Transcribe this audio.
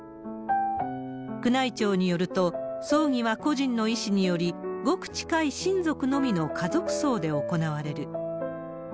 宮内庁によると、葬儀は故人の遺志により、ごく近い親族のみの家族葬で行われる。